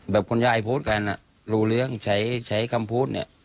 คุณยายพูดกันรู้เรื่องใช้คำพูดเนี่ย